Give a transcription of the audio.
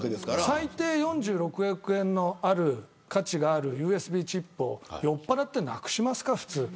最低４６億円の価値があるＵＳＢチップを酔っぱらって、なくしますか普通。